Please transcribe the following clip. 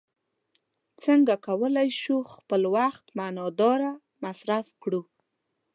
څنګه کولی شو خپل وخت معنا داره مصرف کړو.